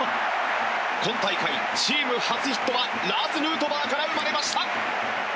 今大会チーム初ヒットはラーズ・ヌートバーから生まれました！